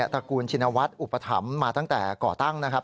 ระกูลชินวัฒน์อุปถัมภ์มาตั้งแต่ก่อตั้งนะครับ